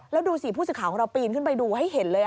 แล้วดูสิผู้สื่อข่าวของเราปีนขึ้นไปดูให้เห็นเลย